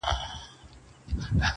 o په سپورږمۍ كي زمــــــــــا زړه دى.